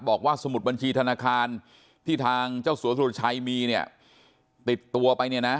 สมุดบัญชีธนาคารที่ทางเจ้าสัวสุรชัยมีเนี่ยติดตัวไปเนี่ยนะ